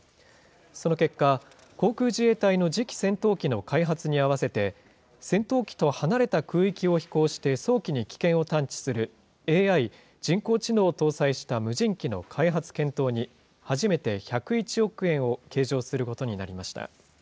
その結果、航空自衛隊の次期戦闘機の開発に合わせて、戦闘機と離れた空域を飛行して早期に危険を探知する、ＡＩ・人工知能を搭載した無人機の開発・検討に、初めて１０１億円を計上することになりました。